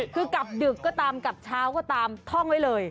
คือกลับดึกก็ตามกลับเช้าก็ตามท่องไว้เลย